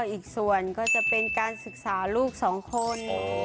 อีกส่วนก็จะเป็นการศึกษาลูกสองคน